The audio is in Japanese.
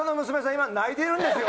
今泣いてるんですよ。